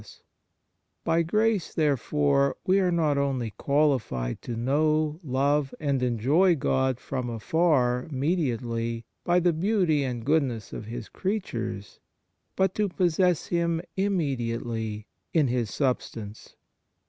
ON THE SUBLIME UNION WITH GOD By grace, therefore, we are not only qualified to know, love, and enjoy God from afar mediately, by the beauty and goodness of His creatures, but to possess Him immediately in His substance.